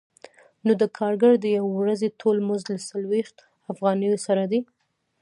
نو د کارګر د یوې ورځې ټول مزد له څلوېښت افغانیو سره دی